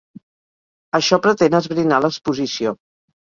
Això pretén esbrinar l’exposició.